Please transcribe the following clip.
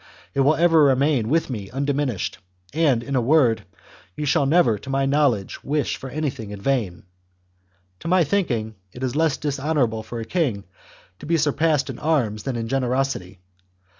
It will ever remain with me undiminished, and, in a word, you shall never to my knowledge wish for anything in vain. To my thinking, it is less dishonourable for a king to be surpassed in arms than in generosity.